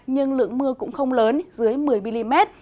nhưng lượng mưa cũng không lớn dưới một mươi mm